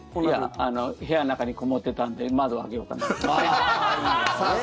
部屋の中にこもってたんで窓を開けようかなと。